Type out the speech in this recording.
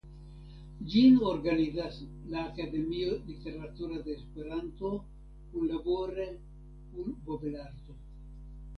Ĝin organizas la Akademio Literatura de Esperanto kunlabore kun Bobelarto.